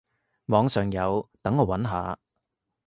網上有，等我揾下